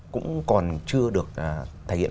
cũng còn chưa được thể hiện